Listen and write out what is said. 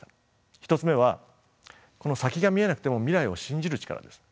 １つ目はこの先が見えなくても未来を信じる力です。